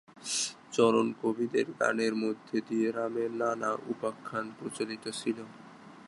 চারণ কবিদের গানের মধ্যে দিয়ে রামের নানা উপাখ্যান প্রচলিত ছিল।